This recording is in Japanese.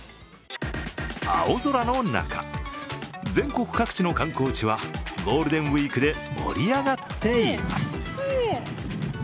青空の中、全国各地の観光地はゴールデンウイークで盛り上がっています。